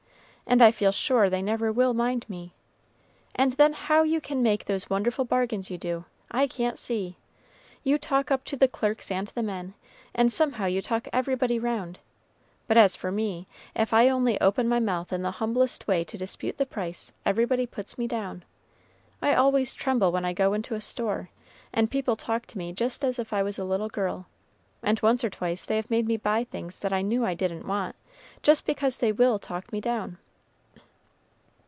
and I feel sure they never will mind me. And then how you can make those wonderful bargains you do, I can't see! you talk up to the clerks and the men, and somehow you talk everybody round; but as for me, if I only open my mouth in the humblest way to dispute the price, everybody puts me down. I always tremble when I go into a store, and people talk to me just as if I was a little girl, and once or twice they have made me buy things that I knew I didn't want, just because they will talk me down."